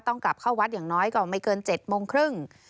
กลับเข้าวัดอย่างน้อยก็ไม่เกิน๗โมงครึ่ง